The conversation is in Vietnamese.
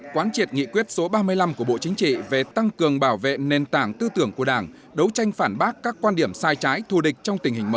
quán triệt nghị quyết số ba mươi năm của bộ chính trị về tăng cường bảo vệ nền tảng tư tưởng của đảng đấu tranh phản bác các quan điểm sai trái thù địch trong tình hình mới